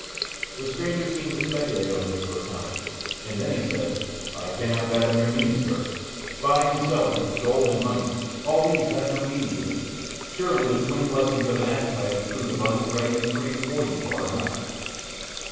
The stranger seemed to speculate on this for a time, and then he said, "I cannot fathom your meaning, sir. Buying and selling, gold and money, all these have no meaning to me. Surely the twin blessings of an appetite and food abundant ready and free before you are enough."